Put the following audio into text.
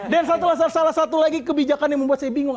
dan salah satu lagi kebijakan yang membuat saya bingung